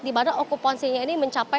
di mana okupansinya ini mencapai